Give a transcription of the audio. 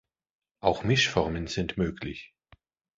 Auch Mischformen sind möglich.